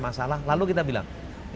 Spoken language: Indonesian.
masalah lalu kita bilang